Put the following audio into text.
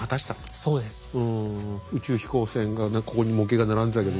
宇宙飛行船がここに模型が並んでたけど。